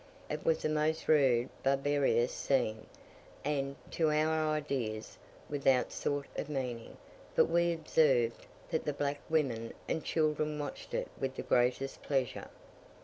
It was a most rude, barbarous scene, and, to our ideas, without any sort of meaning; but we observed that the black women and children watched it with the greatest pleasure.